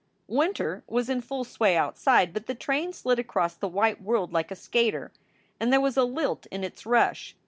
Winter was in full sway outside, but the train slid across the white world like a skater, and there was a lilt in its rush.